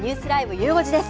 ゆう５時です。